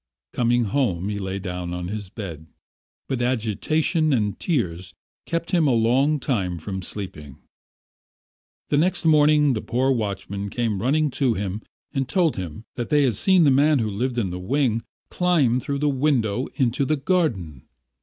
Coming home, he lay down on his bed, but agitation and tears kept him a long time from sleeping... The next morning the poor watchman came running to him and told him that they had seen the man who lived in the wing climb through the window into the garden.